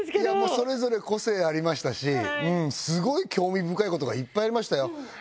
それぞれ個性ありましたしすごい興味深いことがいっぱいありましたよ。